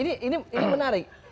nah ini menarik